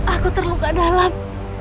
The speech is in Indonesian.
aku terluka dalam